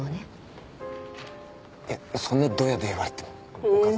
いやそんなドヤで言われてもお義母さん。